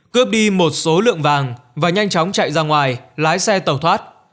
cướp đi một số lượng vàng và nhanh chóng chạy ra ngoài lái xe tàu thoát